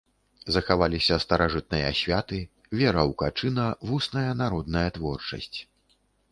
Захаваліся старажытныя святы, вера ў качына, вусная народная творчасць.